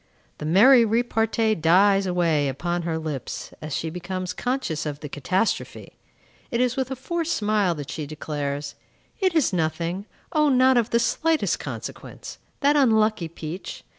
The merry repartee dies away upon her lips, as she becomes conscious of the catastrophe. It is with a forced smile that she declares, "It is nothing; O, not of the slightest consequence!" That unlucky peach!